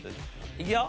いくよ。